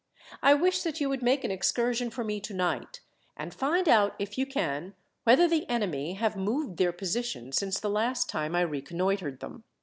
I wish that you would make an excursion for me tonight, and find out, if you can, whether the enemy have moved their position since the last time I reconnoitred them.